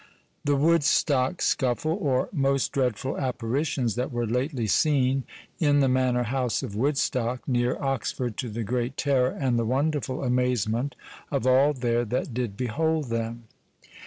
THE WOODSTOCK SCUFFLE; or, Most dreadfull apparitions that were lately seene in the Mannor house of Woodstock, neere Oxford, to the great terror and the wonderful amazement of all there that did behold them.